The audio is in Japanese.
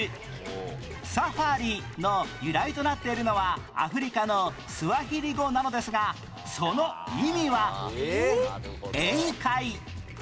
「サファリ」の由来となっているのはアフリカのスワヒリ語なのですがその意味は？